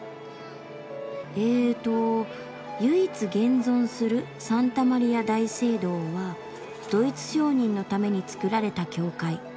ええと「唯一現存するサンタマリア大聖堂はドイツ商人のために造られた教会。